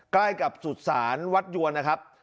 ใกล้กับสุสานวัดยวนนะครับ